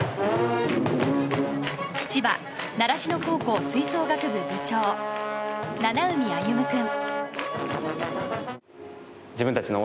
千葉・習志野高校吹奏楽部部長七海歩夢君。